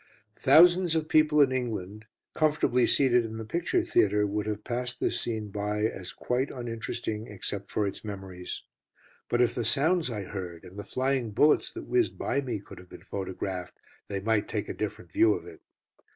Thousands of people in England, comfortably seated in the picture theatre, would have passed this scene by as quite uninteresting except for its memories. But if the sounds I heard, and the flying bullets that whizzed by me, could have been photographed, they might take a different view of it.